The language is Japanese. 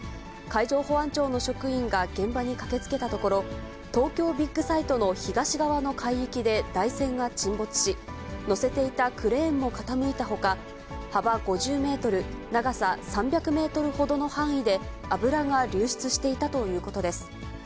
海上保安庁の職員が現場に駆けつけたところ、東京ビッグサイトの東側の海域で台船が沈没し、載せていたクレーンも傾いたほか、幅５０メートル、長さ３００メートルほどの範囲で、油が流出していたということです。